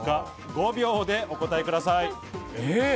５秒でお答えください。